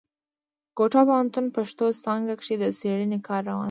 کوټه پوهنتون پښتو څانګه کښي د څېړني کار روان دی.